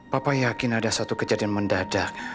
papa yakin ada satu kejadian mendadak